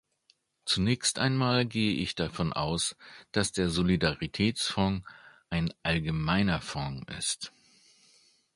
Zunächst einmal gehe ich davon aus, dass der Solidaritätsfonds ein allgemeiner Fonds ist.